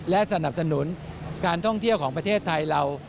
และสนับสนุนการท่องเที่ยวของประเทศไทยเรา